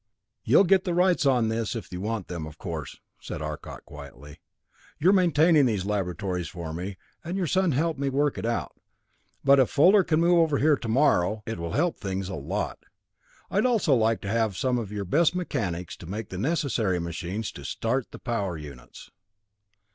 "You'll get the rights on this if you want them, of course," said Arcot quietly. "You're maintaining these laboratories for me, and your son helped me work it out. But if Fuller can move over here tomorrow, it will help things a lot. Also I'd like to have some of your best mechanics to make the necessary machines, and to start the power units."